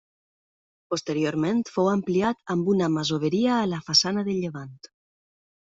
Posteriorment fou ampliat amb una masoveria a la façana de llevant.